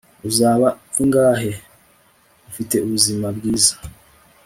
uzaba ingahe? ufite ubuzima bwiza